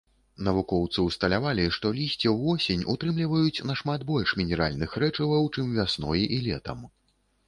Навукоўцы ўсталявалі, што лісце ўвосень утрымліваюць нашмат больш мінеральных рэчываў, чым вясной і летам.